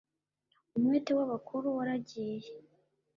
Umwete w'abakuru waragiye